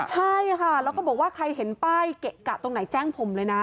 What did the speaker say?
ใช่ค่ะแล้วก็บอกว่าใครเห็นป้ายเกะกะตรงไหนแจ้งผมเลยนะ